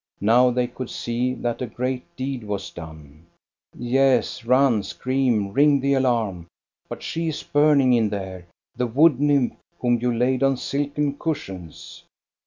Now they could see that a great deed was done. Yes, run, scream, ring the alarm 1 But she is burning in there, the wood nymph whom you laid on silken cushions.